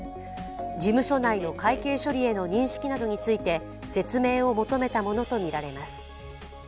事務所内の会計処理への認識などについて説明を求めたものとみられます。